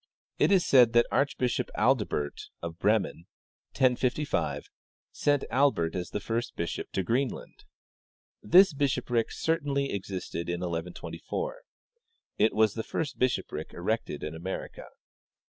It is said that Archbishop Adalbert, of Bremen (1055), sent Albert as the first bishop to Greenland. This bishopric certainly ex isted in 1124. It was the first bishopric erected in America.